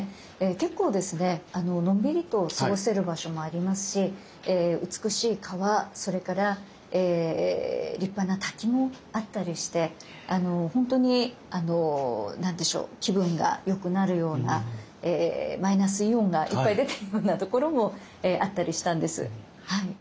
結構ですねのんびりと過ごせる場所もありますし美しい川それから立派な滝もあったりしてほんとに何でしょう気分が良くなるようなマイナスイオンがいっぱい出てるようなところもあったりしたんです。